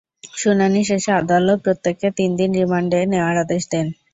শুনানি শেষে আদালত প্রত্যেককে তিন দিন করে রিমান্ডে নেওয়ার আদেশ দেন।